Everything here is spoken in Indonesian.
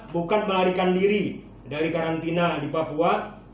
bukan melarikan diri dari karantina di papua